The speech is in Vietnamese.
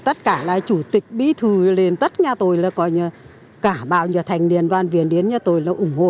tất cả là chủ tịch bí thù lên tất nhà tôi là cả bạo nhà thành niên và viên đến nhà tôi là ủng hộ